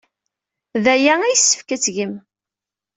D aya ay yessefk ad t-tgem.